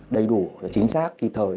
đầy đủ chính xác kịp thời